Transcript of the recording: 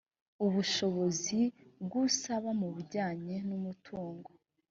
ubushobozi bw usaba mu bijyanye n umutungo